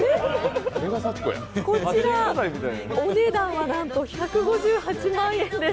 こちらお値段はなんと１５８万円です。